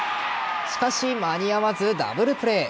しかし間に合わずダブルプレー。